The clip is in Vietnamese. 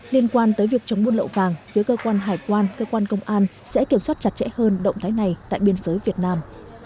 liên quan tới việc chống buôn lậu vàng phía cơ quan hải quan cơ quan công an sẽ kiểm soát chặt chẽ hơn động thái này tại biên giới việt nam